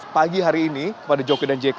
pagi hari ini kepada jokowi dan jk